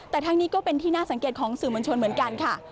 แต่ทั้งนี้ก็เป็นที่น่าสังเกตของสื่อมวลชนเหมือนกันค่ะ